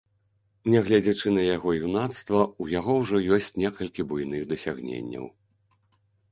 Нягледзячы на яго юнацтва, у яго ўжо ёсць некалькі буйных дасягненняў.